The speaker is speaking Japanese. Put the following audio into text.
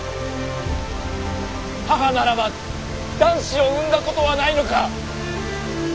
母ならば男子を産んだことはないのか？